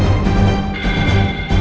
masih ada yang nunggu